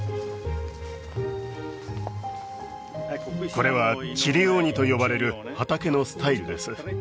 これはチリオーニと呼ばれる畑のスタイルです